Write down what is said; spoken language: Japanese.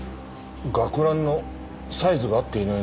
学ランのサイズが合っていないな。